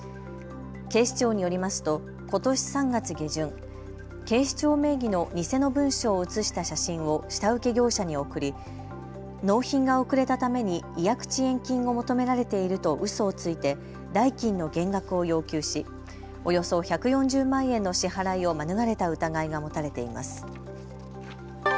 警視庁によりますとことし３月下旬、警視庁名義の偽の文書を写した写真を下請け業者に送り納品が遅れたために違約遅延金を求められているとうそをついて代金の減額を要求しおよそ１４０万円の支払いを免れた疑いが持たれています。